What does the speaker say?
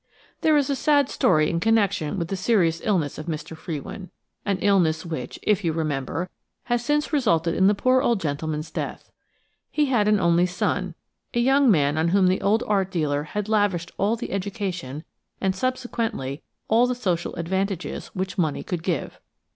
There is a sad story in connection with the serious illness of Mr. Frewin–an illness which, if you remember, has since resulted in the poor old gentleman's death. He had an only son, a young man on whom the old art dealer had lavished all the education and, subsequently, all the social advantages which money could give.